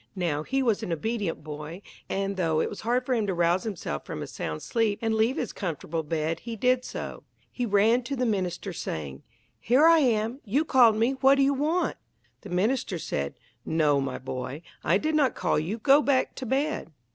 Now he was an obedient boy, and though it was hard for him to rouse himself from a sound sleep and leave his comfortable bed he did so. He ran to the minister saying, "Here I am, you called me, what do you want?" The minister said, "No, my boy, I did not call you, go back to bed."